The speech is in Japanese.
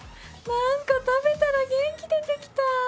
何か食べたら元気出てきた。